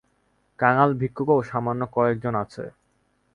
কাঙাল-ভিক্ষুকও সামান্য কয়েকজন আছে।